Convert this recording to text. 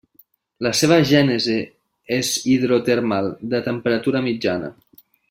La seva gènesi és hidrotermal de temperatura mitjana.